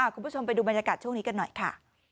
คุณผู้ชมไปดูบรรยากาศช่วงนี้กันหน่อยค่ะ